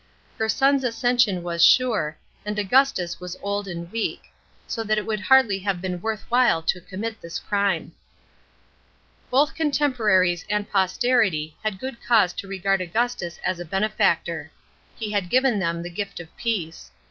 Her son's accession was sure, and Augustus was old and weak; so that it would hardly have leen worth while to commit the crime. § 13. Both contemporaries and posterity had good cause to regard Augustus as a benefactor ; he had given them the gift of peace.